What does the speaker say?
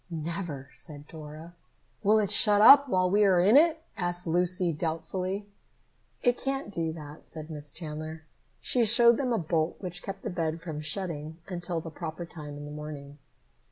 "Never," said Dora. "Will it shut up while we are in it?" asked Lucy doubtfully. "It can't do that," said Miss Chandler. She showed them a bolt which kept the bed from shutting until the proper time in the morning.